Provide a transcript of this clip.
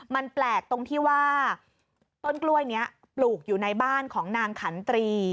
มันแปลกตรงที่ว่าต้นกล้วยนี้ปลูกอยู่ในบ้านของนางขันตรี